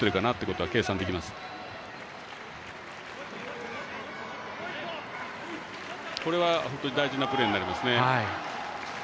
これは大事なプレーになりますね。